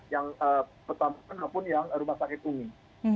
yang petamburan maupun yang rumah sangit umum